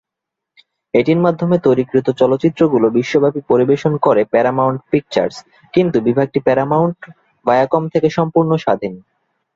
এটির মাধ্যমে তৈরিকৃত চলচ্চিত্রগুলো বিশ্বব্যাপী পরিবেশন করে প্যারামাউন্ট পিকচার্স, কিন্ত বিভাগটি প্যরামাউন্ট/ভায়াকম থেকে সম্পূর্ণ স্বাধীন।